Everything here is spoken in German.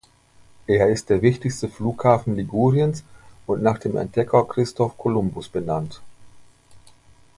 Er ist der wichtigste Flughafen Liguriens und nach dem Entdecker Christoph Kolumbus benannt.